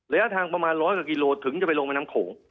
และทางประมาณร้อยกับกิโลถึงจะไปลงบนำโขง